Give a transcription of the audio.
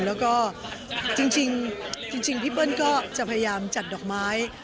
แล้วก็จริงพี่เปิ้ลก็จะพยายามจัดดอกไม้